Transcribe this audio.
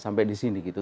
sampai di sini gitu